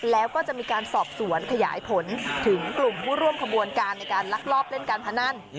แล้วก็จะมีการสอบสวนขยายผลถึงกลุ่มผู้ร่วมขบวนการในการลักลอบเล่นการพนัน